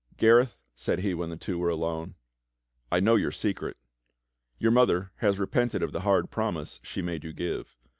"Gareth," said he when the two were alone. "I know your secret. Your mother has repented of the hard promise she made you give.